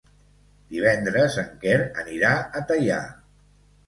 Divendres en Quer anirà a Teià.